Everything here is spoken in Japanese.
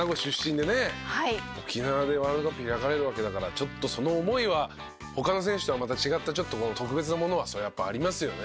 沖縄でワールドカップ開かれるわけだからちょっとその思いは他の選手とはまた違ったちょっと特別なものはそりゃやっぱありますよね。